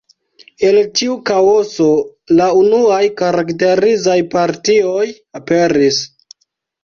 El tiu kaoso, la unuaj karakterizaj partioj aperis.